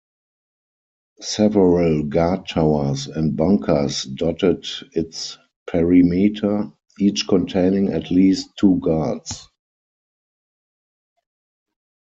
Several guard towers and bunkers dotted its perimeter, each containing at least two guards.